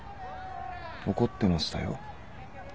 怒ってましたよ。